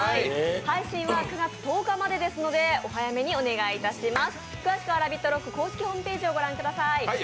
配信は９月１０日までですのでお早めにチェックをお願いします。